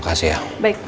baik permisi pak